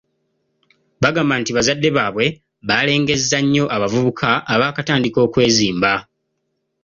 Bagamba nti bazadde baabwe balengezza nnyo abavubuka abaakatandika okwezimba.